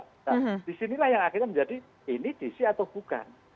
nah disinilah yang akhirnya menjadi ini dc atau bukan